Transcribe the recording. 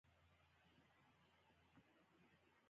جرګه څنګه حل لاره ده؟